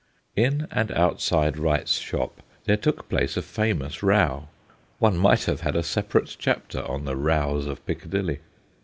In and outside Wright's shop there took place a famous row one might have had a separate chapter on the rows of Piccadilly.